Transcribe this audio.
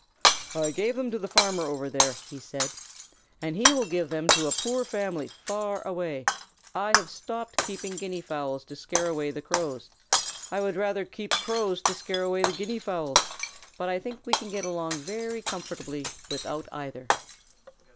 "I gave them to the Farmer over there," he said, "and he will give them to a poor family far away. I have stopped keeping Guinea fowls to scare away the Crows. I would rather keep Crows to scare away the Guinea fowls, but I think we can get along very comfortably without either."